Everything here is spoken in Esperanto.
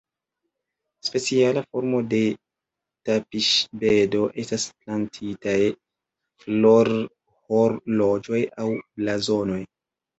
Speciala formo de tapiŝbedo estas plantitaj florhorloĝoj aŭ blazonoj.